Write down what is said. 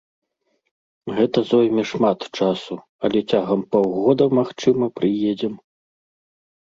Гэта зойме шмат часу, але цягам паўгода, магчыма, прыедзем.